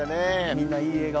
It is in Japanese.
みんないい笑顔。